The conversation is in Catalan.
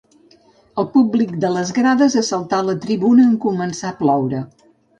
El públic de les grades assaltà la tribuna en començar a ploure.